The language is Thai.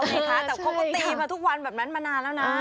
ไงคะแต่เขาก็ตีมาทุกวันแบบนั้นมานานแล้วนะ